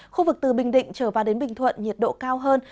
khu vực từ bình định trở vào đến bình thuận nhiệt độ cao hơn